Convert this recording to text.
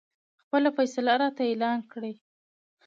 خپله فیصله راته اعلان کړي.